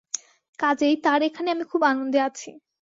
কাজেই তাঁর এখানে আমি খুব আনন্দে আছি।